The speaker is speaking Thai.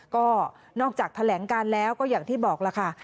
ก็นอกจากแถลงการแล้วก็อย่างที่บอกล่ะค่ะ